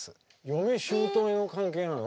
嫁姑の関係なの？